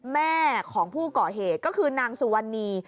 แม่ของผู้ก่อเหตุก็คือนางสุวรรณี